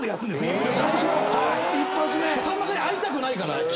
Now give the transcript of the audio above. さんまさんに会いたくないから。